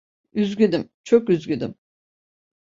Üzgünüm, çok üzgünüm.